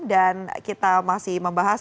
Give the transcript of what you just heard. dan kita masih membahas